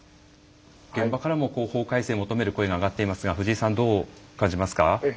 現場からも法改正を求める声が上がっていますが藤井さんどう感じますか？